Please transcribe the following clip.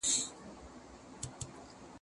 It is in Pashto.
د تخنیک پرمختګ د منابعو کارول اسانه کوي.